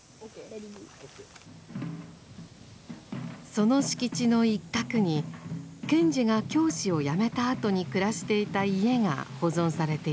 その敷地の一角に賢治が教師をやめたあとに暮らしていた家が保存されています。